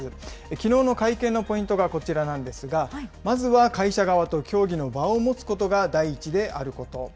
きのうの会見のポイントがこちらなんですが、まずは会社側と協議の場を持つことが第一であること。